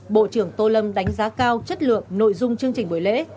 bộ trưởng tô lâm đánh giá cao chất lượng nội dung chương trình buổi lễ